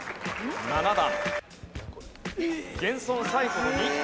７段。